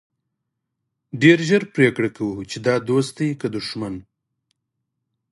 ډېر ژر پرېکړه کوو چې دا دوست دی که دښمن.